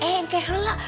eh kayak hala